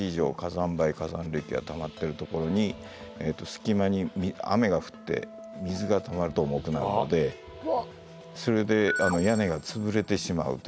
灰火山礫がたまってるところに隙間に雨が降って水がたまると重くなるのでそれで屋根が潰れてしまうということが起こるんです。